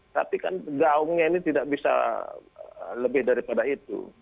tapi kan gaungnya ini tidak bisa lebih daripada itu